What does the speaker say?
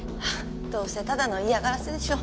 どうせただの嫌がらせでしょう。